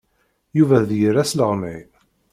Yuba d yir asleɣmay.